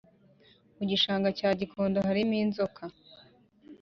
mu Gishanga cya Gikondo harimo inzoka